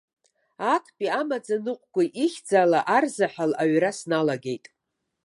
Актәи амаӡаныҟәгаҩ ихьӡала арзаҳал аҩра сналагеит.